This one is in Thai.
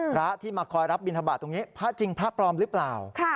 พระที่มาคอยรับบินทบาทตรงนี้พระจริงพระปลอมหรือเปล่า